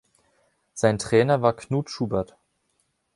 Sein Trainer war Knut Schubert.